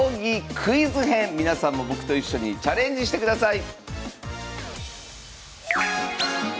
皆さんも僕と一緒にチャレンジしてください